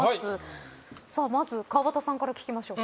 まず川端さんから聞きましょうか。